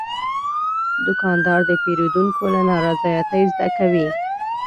دوکاندار د پیرودونکو له نارضایتۍ زده کوي.